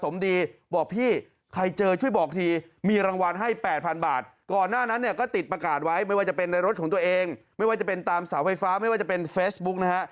ไม่ว่าจะเป็นตามสาวไฟฟ้าไม่ว่าจะเป็นเฟสบุ๊คนะฮะ